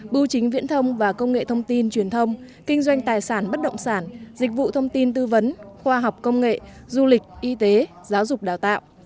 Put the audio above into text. bưu chính viễn thông và công nghệ thông tin truyền thông kinh doanh tài sản bất động sản dịch vụ thông tin tư vấn khoa học công nghệ du lịch y tế giáo dục đào tạo